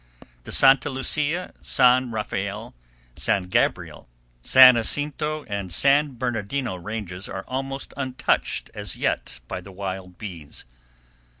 The Santa Lucia, San Rafael, San Gabriel, San Jacinto, and San Bernardino ranges are almost untouched as yet save by the wild bees.